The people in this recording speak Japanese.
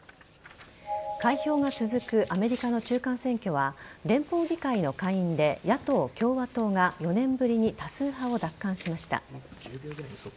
開票が続くアメリカの中間選挙は連邦議会の下院で野党・共和党が４年ぶりに多数派を奪還しました。